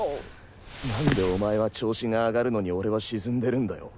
何でお前は調子が上がるのに俺は沈んでるんだよ？